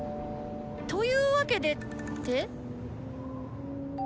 「というわけで」って。